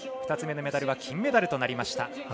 ２つ目のメダルは金メダルとなりました。